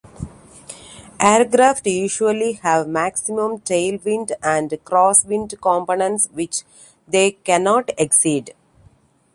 Aircraft usually have maximum tailwind and crosswind components which they cannot exceed.